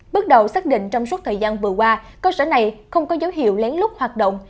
bước đầu xác định trong suốt thời gian vừa qua cơ sở này không có dấu hiệu lén lút hoạt động